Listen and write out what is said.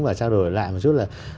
và trao đổi lại một chút là